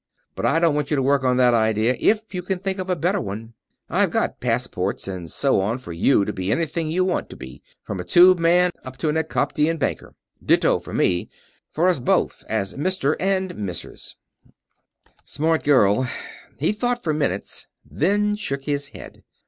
But I don't want you to work on that idea if you can think of a better one. I've got passports and so on for you to be anything you want to be, from a tube man up to an Ekoptian banker. Ditto for me, and for us both, as Mr. and Mrs." "Smart girl." He thought for minutes, then shook his head.